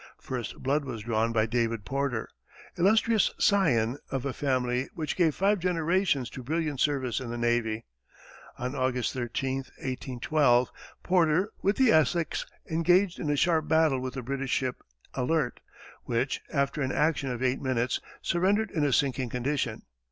First blood was drawn by David Porter, illustrious scion of a family which gave five generations to brilliant service in the navy. On August 13, 1812, Porter, with the Essex, engaged in a sharp battle with the British ship Alert, which, after an action of eight minutes, surrendered in a sinking condition.